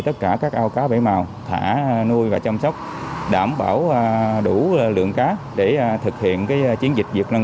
tất cả các ao cá bể màu thả nuôi và chăm sóc đảm bảo đủ lượng cá để thực hiện chiến dịch việc lân